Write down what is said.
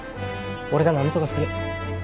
俺がなんとかする。